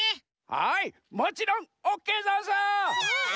はいもちろんオッケーざんす！わい！